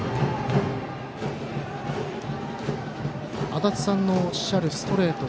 足達さんのおっしゃるストレート。